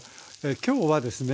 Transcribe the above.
今日はですね